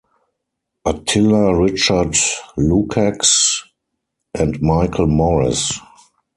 Attila Richard Lukacs and Michael Morris.